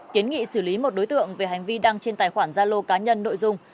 kiến nghị xử lý một đối tượng về hành vi đăng trên tài khoản gia lô cá nhân nội dung